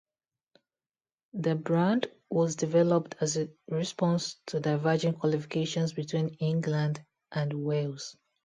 The brand was developed as a response to diverging qualifications between England and Wales.